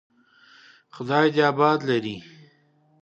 خدای دې آباد لري.